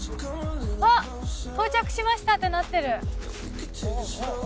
おっ、到着しましたってなってる。